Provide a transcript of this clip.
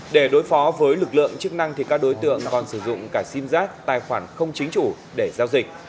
để đối phó với lực lượng chức năng thì các đối tượng còn sử dụng cả sim giác tài khoản không chính chủ để giao dịch